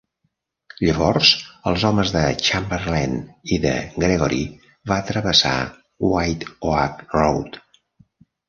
Llavors els homes de Chamberlain i de Gregory va travessar White Oak Road.